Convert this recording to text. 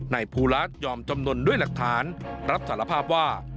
นายภูรัฐยอมจำนวนด้วยหลักฐานรับสารภาพว่า